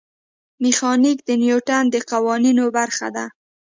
میخانیک د نیوټن د قوانینو برخه ده.